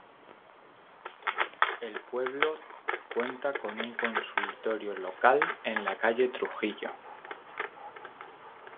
El pueblo cuenta con un consultorio local en la calle Trujillo.